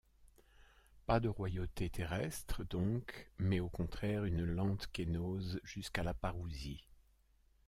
Pas de royauté terrestre donc, mais au contraire une lente kénose jusqu'à la Parousie.